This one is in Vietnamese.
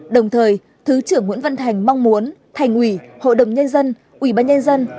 đồng thời thứ trưởng nguyễn văn thành mong muốn thành ủy hội đồng nhân dân ủy ban nhân dân